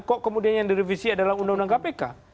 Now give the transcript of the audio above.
kok kemudian yang direvisi adalah undang undang kpk